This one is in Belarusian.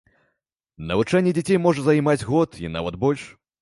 Навучанне дзяцей можа займаць год і нават больш.